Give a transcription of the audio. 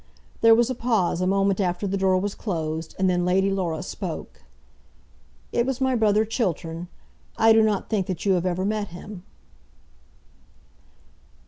There was a pause a moment after the door was closed, and then Lady Laura spoke. "It was my brother Chiltern. I do not think that you have ever met him."